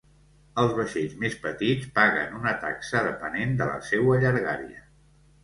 Els vaixells més petits paguen una taxa depenent de la seua llargària.